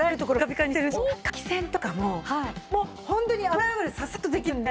換気扇とかももうホントに油汚れササッとできるんで。